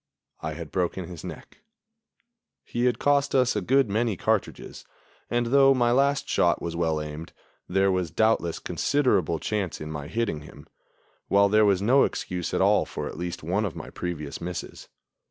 I had broken his neck. He had cost us a good many cartridges, and, though my last shot was well aimed, there was doubtless considerable chance in my hitting him, while there was no excuse at all for at least one of my previous misses.